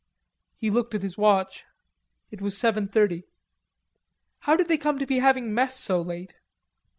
He looked at his watch. It was seven thirty. How did they come to be having mess so late?